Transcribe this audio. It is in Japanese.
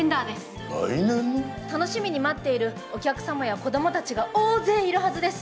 楽しみに待っているお客様や子どもたちが大勢いるはずです。